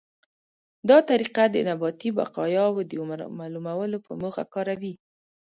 دا طریقه د نباتي بقایاوو د عمر معلومولو په موخه کاروي.